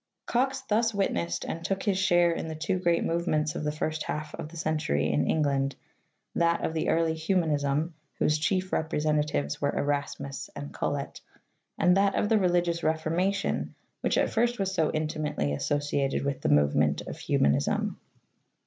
Cox thus witnessed and took his share in the two great movements of the first half of the century in Eng land, that of the early Humanism, whose chief representatives were Erasmus and Colet, and that of the religious Reformation which at first was so intimately associated with the movement of Humanism.